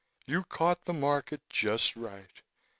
You caught the market just right.